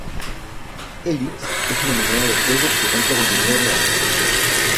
Helix es una moneda de juego que se compra con dinero real.